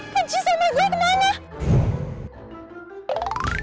kejisama gue kenanya